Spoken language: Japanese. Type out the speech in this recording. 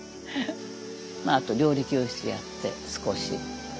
あと料理教室やって少し。